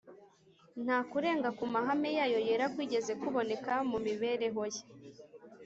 nta kurenga ku mahame yayo yera kwigeze kuboneka mu mibereho ye